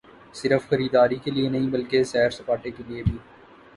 صرف خریداری کیلئے نہیں بلکہ سیر سپاٹے کیلئے بھی۔